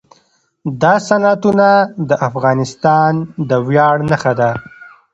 دا صنعتونه د افغانستان د ویاړ نښه ده.